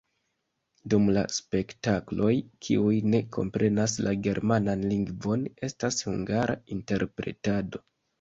Dum la spektakloj kiuj ne komprenas la germanan lingvon, estas hungara interpretado.